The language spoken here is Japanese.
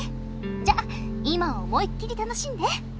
じゃ今を思いっ切り楽しんで！